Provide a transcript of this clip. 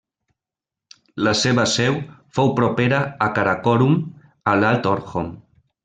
La seva seu fou propera a Karakorum a l'alt Orkhon.